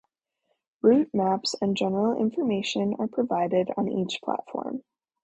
Route maps and general information are provided on each platform.